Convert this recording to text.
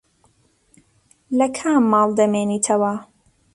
لە کام ماڵ دەمێنیتەوە؟